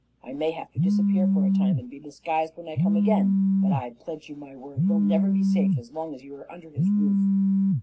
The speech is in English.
I may have to disappear for a time and be disguised when I come again, but I pledge you my word he'll never be safe as long as you are under his roof."